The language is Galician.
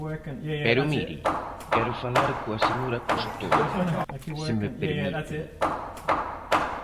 Pero mire, quero falar coa señora Costoia, se me permiten.